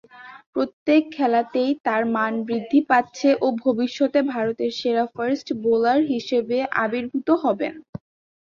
প্রত্যেক খেলাতেই তার মান বৃদ্ধি পাচ্ছে ও ভবিষ্যতে ভারতের সেরা ফাস্ট বোলার হিসেবে আবির্ভূত হবেন।